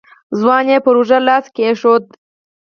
ځوان يې پر اوږه لاس کېښود.